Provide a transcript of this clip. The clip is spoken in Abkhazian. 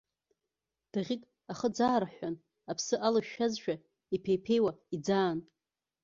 Даӷьык, ахы ӡаарҳәҳәан, аԥсы алышәшәазшәа, иԥеиԥеиуа иӡаан.